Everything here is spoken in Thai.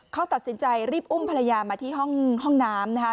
เขาตัดสินใจรีบอุ้มภรรยามาที่ห้องน้ำนะคะ